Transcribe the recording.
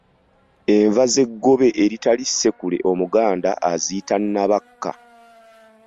Enva z’eggobe eritali ssekule Omuganda aziyita Nabakka.